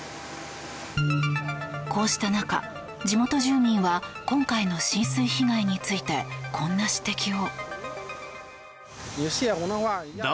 こうした中、地元住民は今回の浸水被害についてこんな指摘を。